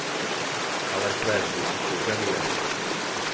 Ale své zboží požaduje.